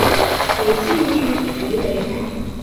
雷茨地区弗雷奈。